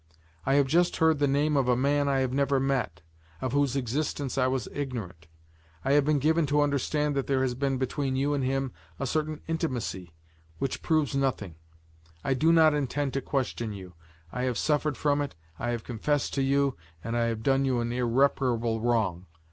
I have just heard the name of a man I have never met, of whose existence I was ignorant; I have been given to understand that there has been between you and him a certain intimacy, which proves nothing; I do not intend to question you; I have suffered from it, I have confessed to you and I have done you an irreparable wrong.